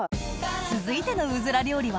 続いてのうずら料理は？